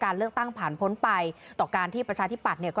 เลือกตั้งผ่านพ้นไปต่อการที่ประชาธิปัตย์เนี่ย